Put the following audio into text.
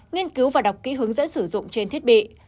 nghiên cứu và đọc kỹ hướng dẫn sử dụng trên thiết bị